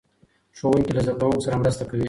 ښوونکي له زده کوونکو سره مرسته کوي.